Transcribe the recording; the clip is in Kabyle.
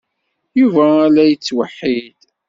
Yuba a la yettweḥḥid.